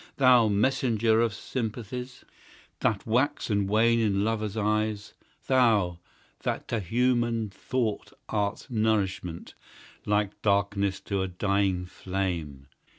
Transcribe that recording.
Thou messgenger of sympathies, That wax and wane in lovers' eyes Thou that to human thought art nourishment, Like darkness to a dying flame!